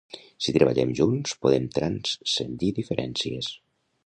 Si treballem junts, podem transcendir diferències.